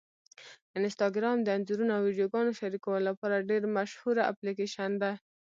انسټاګرام د انځورونو او ویډیوګانو شریکولو لپاره ډېره مشهوره اپلیکېشن ده.